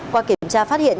qua kiểm tra phát hiện